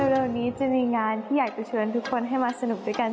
เร็วนี้จะมีงานที่อยากจะเชิญทุกคนให้มาสนุกด้วยกัน